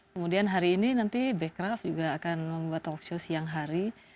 kemudian hari ini nanti bekraf juga akan membuat talkshow siang hari